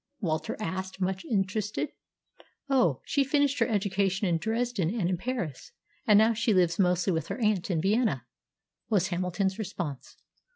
Walter asked, much interested. "Oh, she finished her education in Dresden and in Paris, and now lives mostly with her aunt in Vienna," was Hamilton's response.